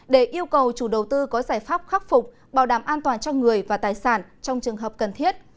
để yêu cầu chủ đầu tư có giải pháp khắc phục bảo đảm an toàn cho người và tài sản trong trường hợp cần thiết